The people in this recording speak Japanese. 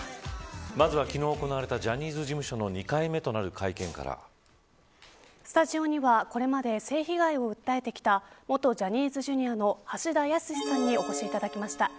まずは、昨日行われたジャニーズ事務所のスタジオにはこれまで性被害を訴えてきた元ジャニーズＪｒ．の橋田康さんにお越しいただきました。